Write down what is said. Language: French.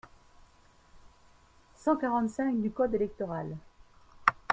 cent quarante-cinq du code électoral.